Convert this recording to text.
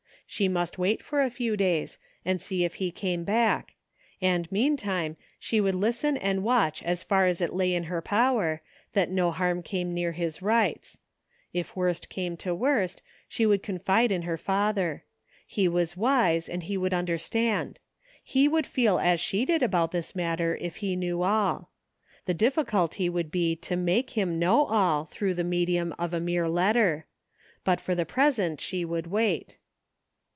She must wait for a few days and see if he came back ; and meantime she would listen and watoh as far as it lay in her power, that no harm came near his rights. If worst came to worst she would confide in her father. He was wise, and he would understand. He would feel as she did about this matter if he knew all. The difficulty would be to make him know all tiirough the medium of a mere letter. But for the present she would wait.